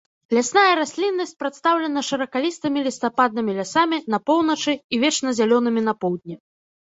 Лясная расліннасць прадстаўлена шыракалістымі лістападнымі лясамі на поўначы і вечназялёнымі на поўдні.